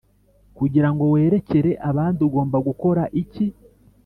Kugira ngo werekere abandi ugomba gukora iki